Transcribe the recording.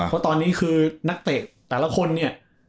เพราะตอนนี้คือนักเตะแต่ละคนเนี่ย